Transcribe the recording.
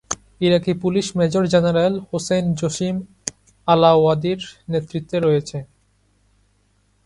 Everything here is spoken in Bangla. ইরাকি police major general Hussein Jasim আলাওয়াদির নেতৃত্বে রয়েছে।